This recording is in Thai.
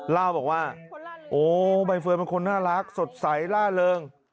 เล่าบอกว่าโอ้ใบเฟิร์นเป็นคนน่ารักสดใสล่าเริง